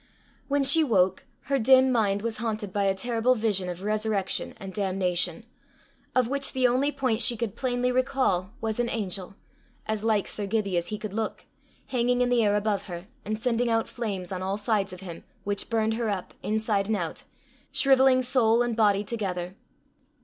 When she woke, her dim mind was haunted by a terrible vision of resurrection and damnation, of which the only point she could plainly recall, was an angel, as like Sir Gibbie as he could look, hanging in the air above her, and sending out flames on all sides of him, which burned her up, inside and out, shrivelling soul and body together.